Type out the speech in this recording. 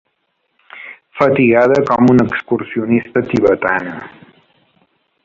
Fatigada com una excursionista tibetana.